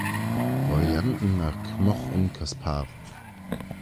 Varianten nach Kmoch und Kasparow.